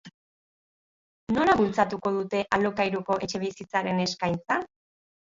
Nola bultzatuko dute alokairuko etxebizitzaren eskaintza?